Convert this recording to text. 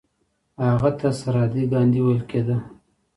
هغه ته سرحدي ګاندي ویل کیده.